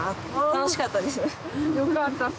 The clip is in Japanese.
楽しかったです。